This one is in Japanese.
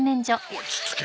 落ち着け